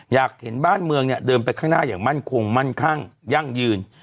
อยากเห็นบ้านเมืองเนี่ยเดินไปข้างหน้าอย่างมั่นคงมั่นคั่งยั่งยืน